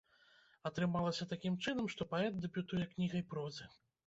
Атрымалася такім чынам, што паэт дэбютуе кнігай прозы.